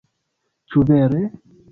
Ĉu vere?"